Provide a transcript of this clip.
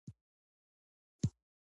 کوچیان له ناوړه سیاستونو اغېزمن شوي دي.